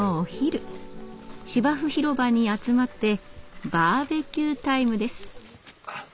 芝生広場に集まってバーベキュータイムです。